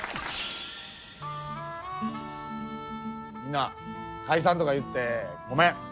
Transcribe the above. みんな解散とか言ってごめん。